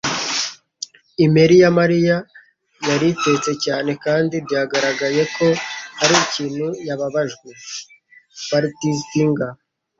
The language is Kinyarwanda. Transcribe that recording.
Imeri ya Mariya yari terse cyane kandi byaragaragaye ko hari ikintu yababajwe. (patgfisher)